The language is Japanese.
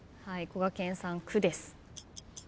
こがけんさん「く」です。